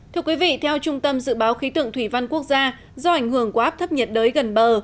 thưa quý vị theo trung tâm dự báo khí tượng thủy văn quốc gia do ảnh hưởng của áp thấp nhiệt đới gần bờ